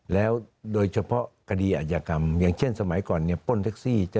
แล้วโดยเฉพาะคดีอาจยากรรมอย่างเช่นสมัยก่อนป้นแท็กซี่